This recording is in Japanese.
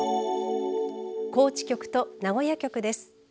高知局と名古屋局です。